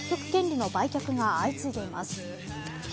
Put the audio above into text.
権利の売却が相次いでいます。